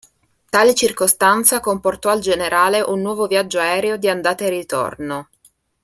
Tale circostanza comportò al generale un nuovo viaggio aereo di andata e ritorno.